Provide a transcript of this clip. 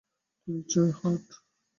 তুই নিশ্চয়ই হার্ট।